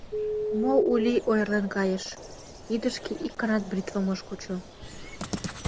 Мо Ули ойырлен кайыш — кидышке ик ганат бритвым ыш кучо.